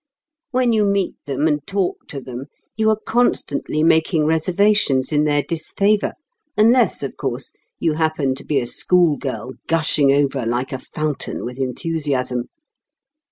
When you meet them and talk to them you are constantly making reservations in their disfavour unless, of course, you happen to be a schoolgirl gushing over like a fountain with enthusiasm.